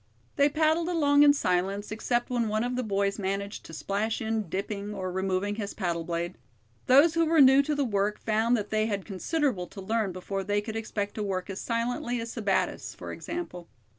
They paddled along in silence, except when one of the boys managed to splash in dipping or removing his paddle blade. Those who were new to the work found that they had considerable to learn before they could expect to work as silently as Sebattis, for example.